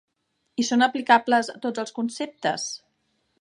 I són aplicables a tots els conceptes?